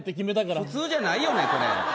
普通じゃないよね。